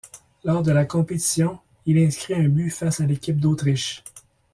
Lors de la compétition, il inscrit un but face à l'équipe d'Autriche.